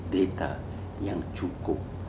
data yang cukup